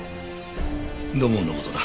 土門の事だ